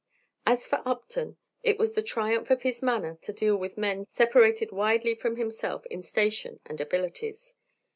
As for Upton, it was the triumph of his manner to deal with men separated widely from himself in station and abilities.